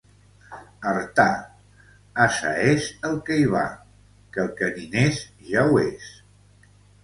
Artà, ase és el que hi va, que el qui n'és ja ho és.